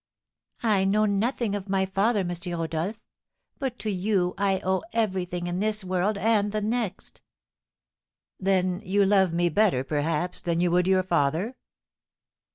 "I know nothing of my father, M. Rodolph; but to you I owe everything in this world and the next." "Then you love me better, perhaps, than you would your father?"